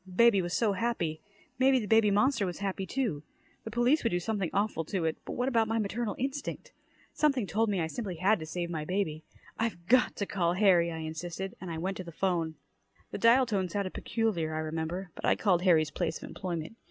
Baby was so happy. Maybe the baby monster was happy, too. The police would do something awful to it. But what about my maternal instinct? Something told me I simply had to save my baby! "I've got to call Harry," I insisted, and I went to the 'phone. The dial tone sounded peculiar, I remember, but I called Harry's place of employment.